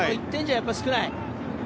１点じゃ少ない。